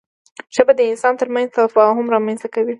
ژبه د انسانانو ترمنځ تفاهم رامنځته کوي